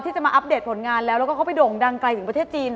จะมาอัปเดตผลงานแล้วแล้วก็เขาไปโด่งดังไกลถึงประเทศจีน